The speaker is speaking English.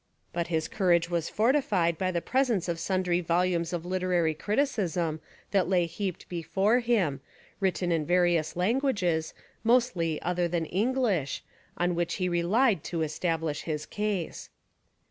But his courage was fortified by the presence of sundry volumes of literary criti 2i6 Fiction and Reality cism that lay heaped before him, written in vari ous languages, mostly other than Enghsh, oa which he relied to establish his case.